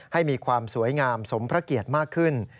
ให้มีความสวยงามสมพระเกียรติมากขึ้น